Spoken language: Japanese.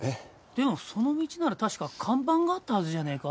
でもその道なら確か看板があったはずじゃねえか？